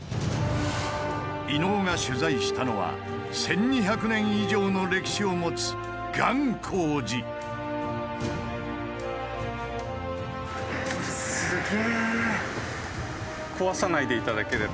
伊野尾が取材したのは１，２００年以上の歴史を持つすげ。